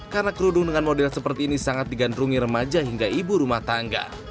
karena kerudung dengan model seperti ini sangat digandungi remaja hingga ibu rumah tangga